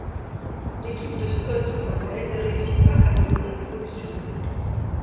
L'équipe de Scott quant à elle ne réussit pas à revenir du pôle Sud.